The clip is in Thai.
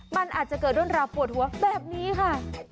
มันอาจจะเกิดเรื่องราวปวดหัวแบบนี้ค่ะ